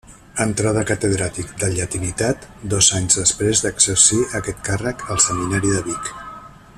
Entrà de catedràtic de llatinitat dos anys després d’exercir aquest càrrec al Seminari de Vic.